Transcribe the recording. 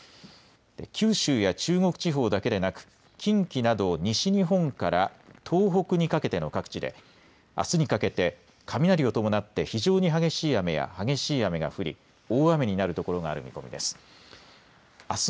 九州や中国地方だけでなく近畿など西日本から東北にかけての各地であすにかけて雷を伴って非常に激しい雨や激しい雨が降り大雨になるところがある見込みです。